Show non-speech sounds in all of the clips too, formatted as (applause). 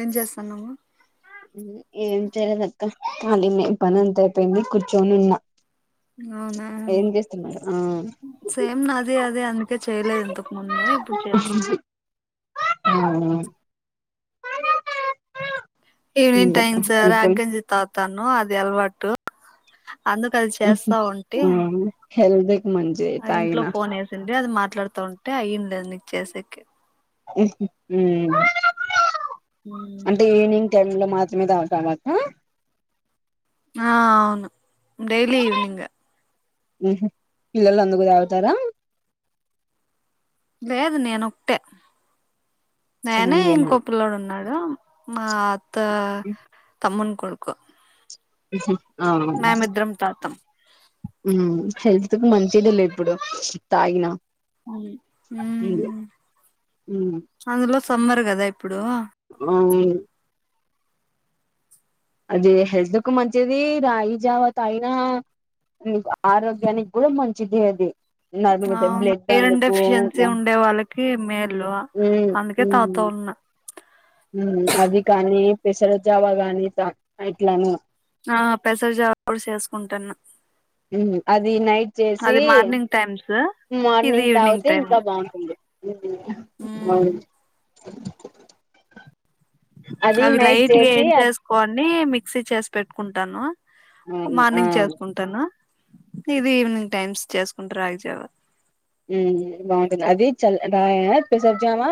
ఏం చేస్తాన్నాము మ్మ్ ఏం చేయలేదు అక్క మాదిన్నె పని అంత అయిపోయింది కూర్చొని ఉన్నా అవునా ఏం చేస్తున్నారు ఆ సేమ్ నాది అద్ దే తె చేయలేదు ఇంతకు ముందు ఇప్పుడు చేస్ అవును ఈవ్నింగ్ టైమ్ స రాగంజి తాగుతను అది అల్వాటు అందుకు అది చేస్తా ఉంటి హెల్ది ఆ ఇంట్లో ఫోన్ వేసింటే అది మ ట్లాడుతూ ఉంటే అయ్యింది అది నీకు చేసేకి మ్మ్ అంటే ఈవినింగ్ టైమ్ లో మాత్రమే తాగుతావా అక్క ఆ అవును డెయిలీ ఈవినింగ్ పిల్లలు అందుకు తాగుతారా లేేదు నేను ఒకటే నేనే ఒక్కదానివేనా ఇంకో పిల్లోడు ఉన్నాడు మా అత్త తమ్మున్ కొడుకు మ్ హు ఆవును మేమిద్దరం తాగుతాం మ్మ్ హెల్త్ కు మంచిది లి ఇప్పుడు తాగిన మ్మ్ అందులో సమ్మర్ కదా ఇప్పుడు ఆ ఆ అది హెల్త్ కు మంచిది రాయి జావా తాగినా ఆరోగ్యానికి కూడా మంచిది అది నార్మల్గా అవును బ్లడ్ మె (inaudible) అందుకు డెఫియన్సీ ఉండే వాళ్ళకి మేలు అందుకే తాత ఉన్నా మ్మ్ అది కాని పెసరు జావా గానీ స ఇట్లాని ఆ పెసర్ జా (inaudible) చేసుకుంటన్న అది నైట్ చేసి అది మార్నింగ్ టైమ్స్ మార్నింగ్ తాగితే ఇంకా బాగుంటుంది మ్మ్ ఆ అది నైట్ చేసి నీ మిక్సీ చేసి పెట్టుకుంటాను మార్నింగ్ చేసుకుంటాను ఇది ఈవినింగ్ టైమ్స్ చేసుకుంటారు రాగజేవా బాగుంటుంది అది చల్ రా పెసర్జామా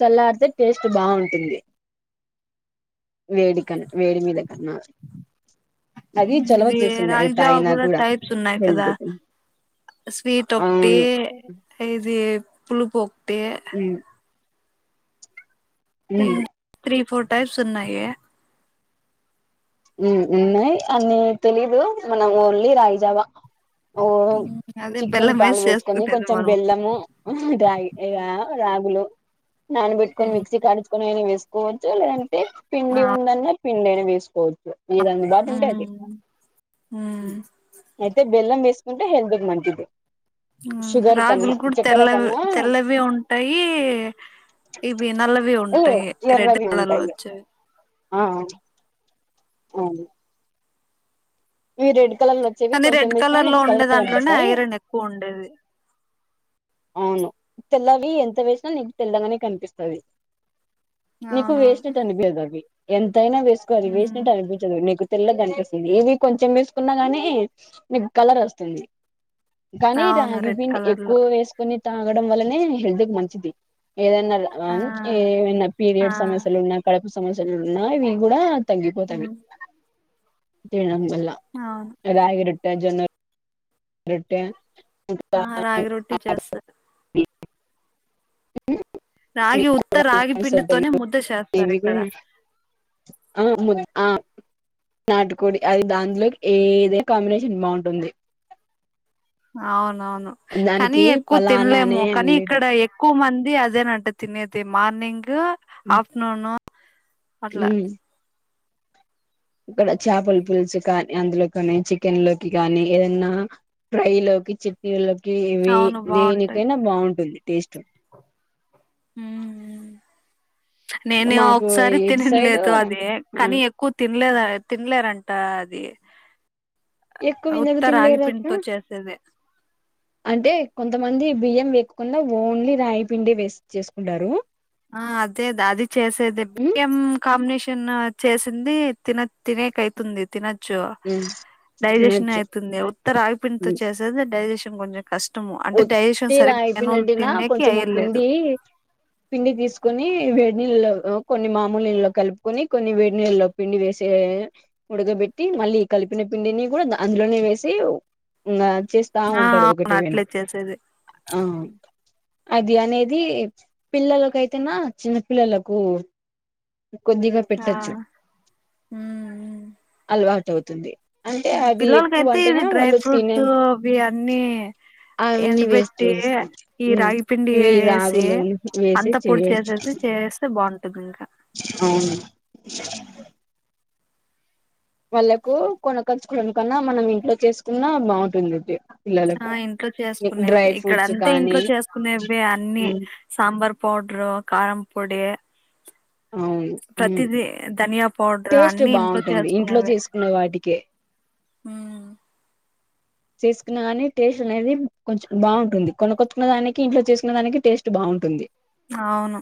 చల్లడితే టేస్ట్ బాగుంటుంది వేడికను వేడి మీద్గ అ అది చొలవ ఇది చేసింది అది రాగి జావ తాయి నా కూడా టైప్స్ ఉన్నాయి హెల్త్ కదా అవును ఏది పులుపు డే ఉమ్ ఇం త్రీ ఫోర్ టైప్స్ ఉన్నాయ ఉన్నాయి అని తెలీదు మనం ఓన్లీ రాగిజావా ఓ అదే చికెన్ బెల్లం వేసి పాలు వేసుకొని చేసుకునేది కొంచెం మనము బెల్లము రాగి రాగులు నాన్బట్కొని మిక్స కాట్ నేను వేసుకోవచ్చు ఆ పిండి ఉందన్న పిండైన వేసుకోవద్ మీద అందు బాటు ఉంటాయి అది అయితే బెల్లం వేస్సుకుంటా హెల్త్ కి మంచిది షుగర్ రాగులు కన్నా కూడా చక్కెర తెల్లవి కన్నా తెల్లవి ఉంటాయి, ఇవి నల్లవి ఉంటాయి, రెడ్ ఎర్రవి కలర్లు ఉంటాయి వచ్చాయి. ఆ అవును బీ రెడి కాని రెడ్ కలర్ లో ఉండే దాంట్లోనే కనిపిస్తాయి ఐరన్ ఎక్కువ ఉండేది అవును తెల్లవి ఎంత వేసినా నీకు తెల్లగానే కనిపిస్తాది నీకు అవును వెస్ట్ట్ అనిపియదా అది ఎం తైన వేసుకోవాలి వేసినట్టు అక్కడ కూర్చోకూడదు నీకు తెల్లగనిపిస్తుంది ఇవి కొంచం వేసుకున్నా కాని మీకు కలర్ వస్తుంది కాని అవును రాగి రెడ్ పిండి కలర్ లో ఎక్కువ వేసు తాగడం వల్లనే హెల్త్ కు మంచిది ఏదైనా రా ఆ రానీయ్ ఏమైనా ఆ పీరియడ్ సమస్యలు ఉన్నా అక్కడ మీ సమస్యలు ఉన్నాయి మీ కూడా తగిపోతాది తిన్నామ్ చెప్ వా అవును ఎర ఎడిట్ రాగి జోనలు రొట్ట ఆ రాగి రొట్టె చేస్తా రాగి ఉంతా రాగి పిండితోనే ముద్ద చేస్తారు ఇక్కడ హ్మ్ ఆ నాటుకోడి అది దంట్లోకి ఏదే కాంబినేషన్ బాగుంటుంది అవునువును కాని దానికి ఎక్కువ పలానా తినలేము అనే ఏం కాని ఇక్కడ లేదు ఎక్కువ మంది అదేనంట తినేది మార్నింగ్ గూ ఆఫ్టర్నూను హ్మ్ ఇక్కడ చేపల పులుసు కాని అందులో కాని చికెన్ లోకి కాని ఏదన్నా ఫ్రై లోకి చట్నీలో ఇవి అవును బాగుంటాయి దేనికైనా బావుంటుంది టేస్ట్ హ్మ్ నేనే మాకు ఒకసారి ఇటు సైడ్ తినలేదు అది కాని ఎక్కువ తి తినలేదా తన్లేరంట అది ఎక్కువ ఎందుకు ఉత్త రాగి తిన్నలేరా అక్క పిండితో చేసేదే అంటే కొంతమంది బియ్యం వేగకుండా ఓన్లీ రాగి పిండి వేస్ చేసుకుంటారు ఆ అదేది అది చేసేది ఉమ్ బియ్యం కాంబినేషన్ నిన్న చేసింది తినక్ తినేక్ అయితుంది తినొచ్చు ఉమ్ డైజెషన్ తినొచ్చు అయితుంది ఉత్త రాగి పండితో చేసేది డైజెషన్ కొంజం కష్టము అంటే ఉత్తి డైజెషన్ సరిగా రాగి పిండి అయినోలకి అంటేనా తినేకి కొంచెం అయ్యలేదు పిండి పిండి తీసుకొని వేడి నీళ్లలో కొన్ని మామూలు నీళ్ళలో కలుపుకొని కొన్ని వేడి నీళ్లోలో పిండి వేసి ఉడగబెట్టి మళ్ళీ కలిపిన పిండిని కూడా అందులోనే వేసి చేేస్తా ఆ ఉంటారు ఒకట అవును ఏమైనా అట్లే చేసేది ఆ అది అనేది పిల్లలకు అయితేనా చిన్న పిల్లలకు కొద్దిగా ఆ పెట్టచ్చు అల్వా అవుతుంది అంటే అది పిల్లలకు ఎక్కువ అయితే ఇది అంటేనే డ్రై వాళ్ళు తినే ఫ్రూట్స్ అవి అన్ని అవన్నీ వేస్ట్ ఎండబెట్టి చేసుకోవచ్చు ఈ రాగి పిండి ఇవి వెసి రాగులు వేసి అంత పొడి చేయచ్చు చేసేసి చేస్తే బాగుం అ అవును వాళ్ళకు కొనకచుకోవడం కన్నా మనం ఇంట్లో చేసుకున్నా బాగుంటుంది ఇది ఆ పిల్లలకు ఇంట్లో చేసుకునేవి డ్రై ఇక్కడ ఫ్రూట్స్ అంతే కానీ ఇంట్లో చేసుకునేవి అన్నిీ సాంబార్ పౌడర్ కారం పొడి ప్రతిదీ ధనియా పౌడర్ టేస్ట్ అన్ని ఇంట్లో బాగుంటుంది ఇంట్లో చేసుకునేవే చేసుకున్న వాటికే. ఉమ్, చేసుకున్న కానీ టేస్ట్ అనేది కొంచం బాగుంటుంది. కొనకొచ్చుకునే దానికి ఇంట్లో చేసుకునే దానికి టేస్ట్ బాగుంటుంది. అవును.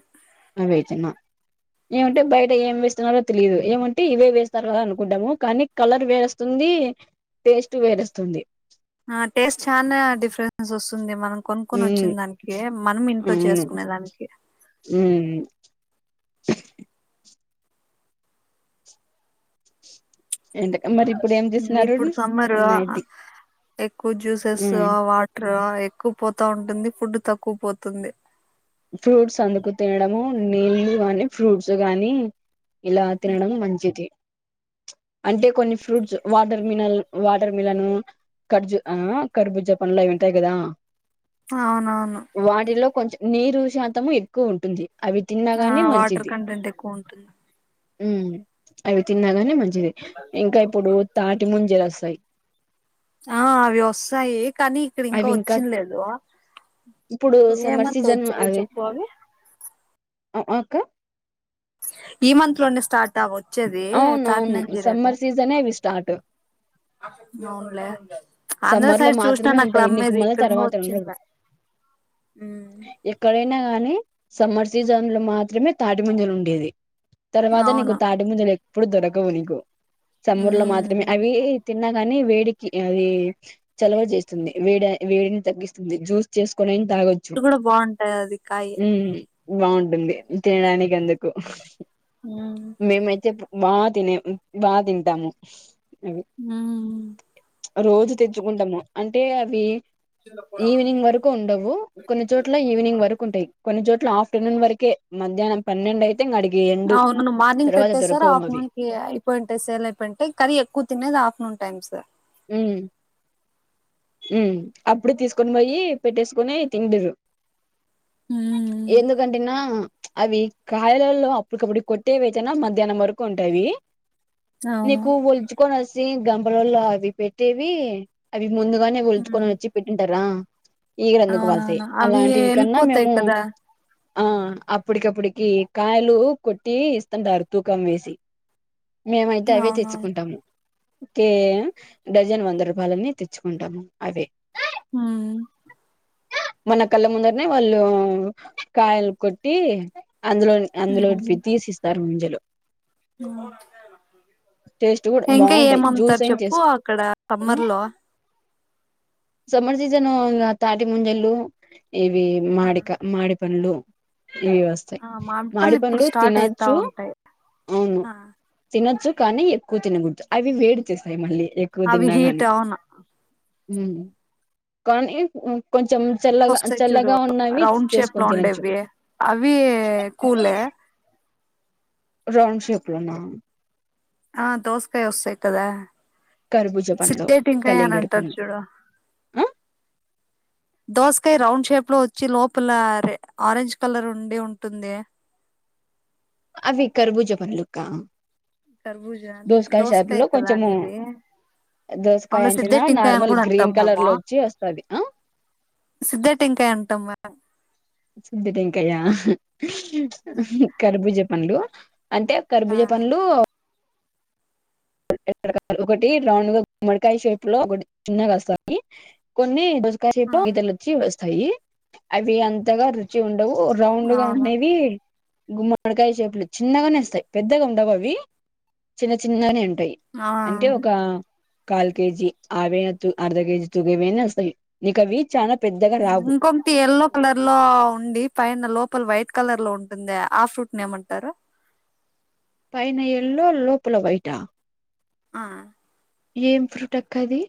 వేయించిన. ఏమంటే బయట ఏం వేస్తున్నారో తెలియదు. ఏమంటే ఇవే వేస్తారు కదా అనుకుంటాము. కానీ కలర్ వేరేవస్తుంది టేస్ట్ వేరేవస్తుంది. జోస్తుంది మనం. కొనుక్కొని ఉమ్ వచ్చిన దానికి మనం ఇంట్లో అవును చేసుకునే దానికి. ఉమ్ ఎంతక్. ఇప్పుడు సమ్మర్ నైట్ ఎక్కువ జ్యూసెస్ ఉమ్ వాటర్ ఎక్కువ పోతు. సౌండ్ ఉంది. ఫుడ్ తక్కువ పోతుంది. ఫ్రూట్స్ అందుకు తినడము నీళ్లు కాని ఫ్రూట్స్ గానీ ఇలా తినడం మంచిది. అంటే కొన్ని ఫ్రూట్స్ వాటర్ మినల్ వాటర్ మిలన్ ఖర్జు ఆహ్ కర్బుజ పండ్లు అవి ఉంటాయి కదా. అవునవును. వాటిలో కొంచెం. నీరు శాతము ఎక్కువ ఉంటుంది. అవి తిన్నాగాని ఆహ్ వాటర్ మంచిది కంటెంట్ ఎక్కువ ఉంటుంది. ఉమ్ అయి తిన్నగాని మంచి ఇంకా ఇప్పుడు తాటి ముంజస్. పై ఆహ్ అవి వస్తాయి. కానీ ఇక్కడ ఇంకా వచ్చింది లేదు. ఇప్పుడు ఏమంత వచ్చాయో చెప్పు అవి. ఆహ్ అక్క. ఈ మంత్ లోనే స్టార్ట్ అవ్వొ వచ్చేది అవునవును తాట్నంగిరి అది సమ్మర్ సీజనే ఇవి స్టార్ట్ అవును. లేత సమ్మర్ లో మాత్రమే ఉంటాయి. నీకు మల్ల ఇక్కడ ఇంగ తర్వాత వుండవు వచ్చిందిలే ఎక్కడైనా. తిన్న గాని సమ్మర్ సీజన్ లో మాత్రమే తాటి ముంజలు ఉండేది. తర్వాతా నీకు అవును తాటి ముంజలు ఎక్. ఎప్పుడు దొరకవు నీకు. సమ్ముూర్ లో మాత్రమే ఉమ్ అవి తిన్నాక. కానీ వేడికి అది. చలవ చేస్తుంది. వేడి వేడిని తగ్గిస్తుంది. జ్యూస్ చేసుకొని లా కూడా బాగుంటాది అది కాయ. ఉమ్ బాగుంటుంది తినడానికి ఎందుకు. ఉమ్ మేమైతే ఎప్. బాగా తినే ఉం బాగా తింటాము. అవి హూ రోజు తెచ్చుకుంటాము అంటే అవి ఈవినింగ్ వరకు ఉండవు కొన్ని చోట్ల ఈవినింగ్ వరకు ఉంటాయి. కొన్ని చోట్ల ఆఫ్టర్నూన్ వరకే మధ్యాహ్నం పన్నెండు అయితే ఇంగ ఆడికి ఎండ్ అవునును మార్నింగ్ తర్వాత పెట్టే సార్ దొరకవు అవి ఆఫ్టర్నూన్ కి అయిపోంటాయి సేల్ అయిపోయింటాయి కాని ఎక్కువ తినేది ఆఫ్టర్నూన్ టైమ్ హూ ఊ అప్పుడు తీసుకొని పోయి పెట్టేసుకొని తిందురు ఉమ్ ఎందుకంటేన అవి కాయలలో అప్పటికప్పుడు కొట్టే వేతనా మధ్యాహ్నం వరకు ఉంటావి అవును నీకు వల్చుకోని వస్తె అది గంపలల్లో అవి పెట్టేవి అవి ముందు ఇంటికాడనే వొళ్ళ్చు కొని ఉమ్ వచ్చి పెట్టింటార ఈగలు ఎందుకు వాలుతాయి అవునవును అవి అలాంటివి కన్నా వెళ్ళిపోతాయి మేము కదా ఆ అప్పడికప్పటికి కాయలు కొట్టి ఇస్తంటారు తూకం వేసి మేమైతే అవే అవునవును తెచ్చుకుంటాము. కే డజన్ వంద రూపాయలన్నీ తెచ్చుకో ఉంటము అవే హూ మన కళ్ళ ముందరినే వాళ్ళు కాయలు కొట్టి అందులో అందులో వి తీసి ఇస్తారు ముంజలు టేస్ట్ కూడా ఇంక బాగుంటాయి జ్యూస్ ఏమంమ్ముతారు అయిన చెప్పు చేసుకో అక్కడ సమ్మర్ లో సమ్మర్ సీజను ఇంగ తాటి ముంజలు ఇవి మామిడి కా మామిడిపండ్లు ఇవి వస్తాయి ఆ పళ్ళు మామిడి ఇప్పుడు పండ్లు స్టార్ట్ అయితా తినొచ్చు ఉంటాయి అవును తినొచ్చు కానీ ఎక్కువ తినగుడదు అవి వేడి చేస్తాయి మళ్ళీ అవి హీట్ అవును హూ కానీ కొం వస్తాయి చూడు రౌండ్ షేప్ లో చేసుకొని తినొచ్చు ఉండేవి అవి కూలే రౌండ్ షేప్లనా ఆ దోసకాయ వస్తాయి కదా కర్బూజ పండ్లు సిద్ధెటెంకాయ అని కలింగడి అంటరు పండ్లు చూడు ఆ దోసకాయ రౌండ్ షేప్ లో వచ్చి లోపల రె ఆరెంజ్ కలర్ ఉండి ఉంటుందే అవి కరుభూజ పండ్లక్క కర్బూజ దోసకాయ కదా కొంచెము అనేది, దోసకాయ అందులో అంటేనా సిద్ధటింకాయ అని నార్మల్ కూడ అంటాం గ్రీన్ కలర్ మేము, లో వచ్చి వస్తది ఆ సిద్ధటింకాయ అంటాం మేము టం సిద్దటింకాయ మేము కర్భూజ పండ్లు అంటే ఆ కర్భూజ పండ్లు ఒకటి రౌండ్ గా గుమ్మడికాయ షేప్ లో ఒకటి చిన్నగా వస్తాయి కొన్ని ఆ గీతలొచ్చి వస్తా యి అవి అంతగా రుచి ఉం డవు రౌండ్ గా అవును ఉండేవి గుమ్మడికాయ షేపులో చిన్నగానే వస్తాయి, పెద్దగా ఉండవు అవి చిన్న చిన్నగనే ఉంటాయి ఆ అంటే ఒక కాలు కేజీ అవే అర్ధ కేజీ తూగే వైన వస్తాయి నీకవి ఇంకొకటి ఎల్లో కలర్ లో ఉండి పైన లోపల వైట్ కలర్ లో ఉంటుందే ఆ ఫ్రూట్ ని ఏమంటారు పైన ఎళ్లో లోపల వైటా ఆ ఏం ఫ్రూట్ అక్క అది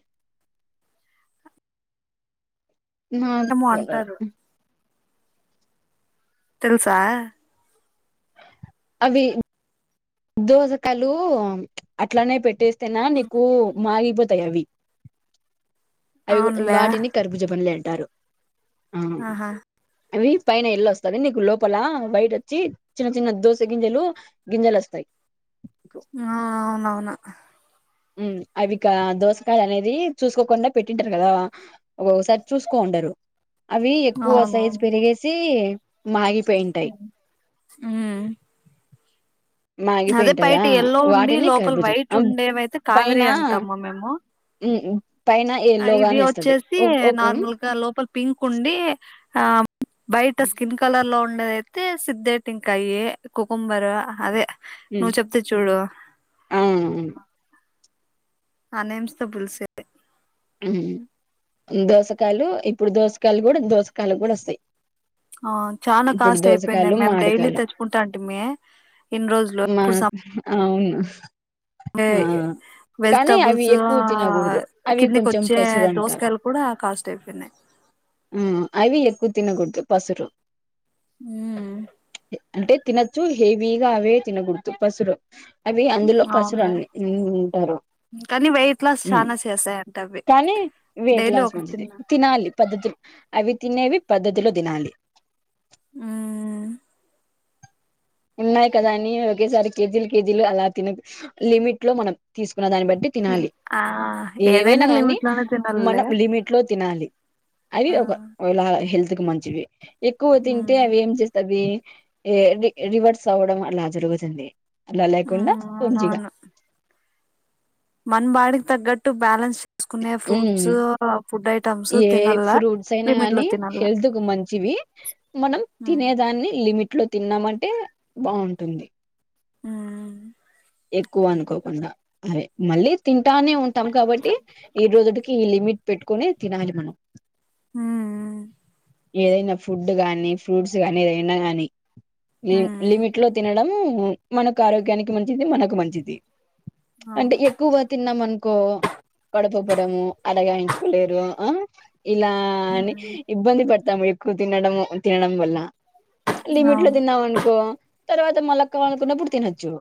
ఏమో మాతీరా అంటారు తెలుసా అవి దోసకయాలు అట్లనే పెట్టే నా మీకు మాగి బ దయవి అవి కూడా అవునులే వాటిని కర్బుజా పల్లె అంటారు ఆ ఆహా అవి పైన ఎల్లో వస్తాంది నీకు లోపల వైట్ వచ్చి, చిన్న చిన్న దోస గింజలు గింజలు వస్తాయి. ఆ అవునవును మ్ అవి కా దోసకాయలు అనేది చూసుకోకుండా పెట్టింటారు కదా, ఒక్కొక్కసారి చూసుకో ఉండరు అవి ఎక్కువ సైజ్ పెరిగేసి మగి మ్ అదే మాగిపోయింటాయా బయట ఎల్లో ఉండి వాటిని లోపల కర్బుజం వైట్ ఉండేవైతే కావేరి అంటాము మేము ఉ ఆ ఇది వచ్చేసి నార్మల్గా లోపల పింక్ ఉండి ఆ బయట స్కిన్ కలర్ లో అద అయితే సిద్దేంటికాయ, కుకుంబర్ అదే ఉమ్, నువ్ చెప్తే చూడు ఆ ఉమ్. ఆనియన్స్ తో పులిసిద్ది ఉ దోసకాయలు ఇప్పుడు దోసకాయలు కూడా దోసకాయలు కూడా వస్తాయి ఆ చానా ఇప్పుడు కాస్ట్ అయిపోయింది దోసకాయలు మేము డైలీ మామిడికాయలు తెచ్చుకుంటంటిమి ఇన్ని రోజులు మా ఇప్పుడు సప్ అవును ఆ కానీ అవి వెజిటబుల్స్ ఎక్కువ తినకూడదు అవి కిర్ నీ కొంచెం కోచ్చే పసురు అంటారు దోసకాయలు కూడా కాస్ట్ అయిపోయినాయి ఆ అవి ఎక్కువ తినగుడదు పసురు ఉ అంటే తినొచ్చు హెవిగా అవే తినకూడదు పసురు అవి అందులో అవునులే పసురని ఉ ఉంటారు కానీ వెయిట్ లాస్ ఉ చానా చేసాయంట అవి కానీ డైలీ వేట్లాస్ ఒకటి మంచిది తిన్నా తినాలి ప వద్దు అవి తినేవి పద్ధతిలో తినాలి ఉ ఉన్నాయి కదా అని ఒకేసారి కేజీలు కేజీలు అలా తినకు లిమిట్ లో మనం తీసుకు ఆ దాన్ని బట్టి తినాలి ఆ ఏదైనా ఏవైనా కాని లిమిట్ లోనే మనం తినాలిలే లిమిట్ లో తినాలి అవి ఆ ఒకలా హెల్త్ మంచివి ఎక్కువ తింటే ఉమ్ అవి ఏం చేస్తది ఏది రివర్స్ అవ్వడం అలా జరుగుతుంది అలా లేకుండ ఉమ్ పుంజిక మన్ బాడికి తగ్గట్టు బ్యాలెన్స్ చేసుకునే ఉ ఫ్రూట్స్ ఫుడ్ ఐటమ్స్ ఏ తినల్ల ఫ్రూట్స్ అయినా లిమిట్ లో గానీ తినల్ల హెల్త్ కు మంచివి మనం ఉమ్ తినేదాన్ని లిమిట్ ట్లో తిన్నామంటే బాగుంటుంది ఉ ఎక్కువ అనుకోకుండా అదే మళ్ళీ తిన్ టానే ఉంటాం కాబట్టి ఈ రోజుకి ఈ లిమిట్ పెట్టుకు కొని తినాలి మనం ఉ ఉ ఏదైనా ఫుడ్ గానీ ఫ్రూట్స్ గానీ ఏదైనా కానీ లి ఉమ్ లిమిట్ లో తినడం ఉ మనకు ఆరోగ్యానికి మ మంచిది మనకు మంచిది అంటే అవును ఎక్కువ తిన్నాం అనుకో, కడపపురము అలాగా వయించుకోలేరు ఆ ఇలా ని ఉమ్ ఇబ్బంది పడు తమికు తిన్నడంము తినడము వల్ల లిమిట్ లో అవును తిన్నామ అనుకో, తర్వాత మలక్కనుకున్నప్పుడు తినొచ్చు